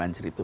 di banjir itu